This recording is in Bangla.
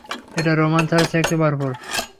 এটা রোমান্স আর সেক্সে ভরপুর।